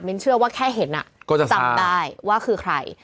มันเชื่อว่าแค่เห็นจำได้ว่าคือใคร